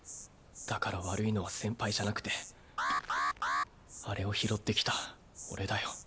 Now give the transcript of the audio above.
だから悪いのは先輩じゃなくてあれを拾ってきた俺だよ。